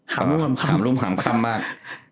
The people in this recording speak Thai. ห่ำลุ่มห่ำค่ำมาก